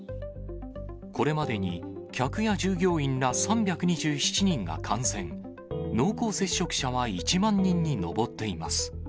これまでに客や従業員ら３２７人が感染、濃厚接触者は１万人に上っています。